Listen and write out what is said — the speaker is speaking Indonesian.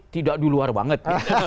tidak di luar banget